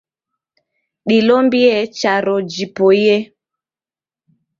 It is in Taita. Dilombie charo jipoie